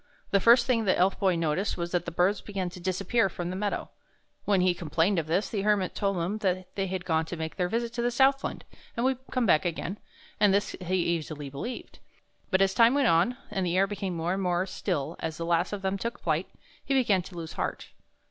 The first thing the Elf Boy noticed was that the birds began to disappear from the meadows. When he complained of this, the Hermit told him they had gone to make their visit to the Southland, and would come back again; and this he easily believed.' But as time went on, and the air became more and more still as the last of them took their flight, he began to lose heart.